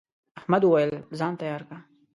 احمد وويل: ځان تیار که.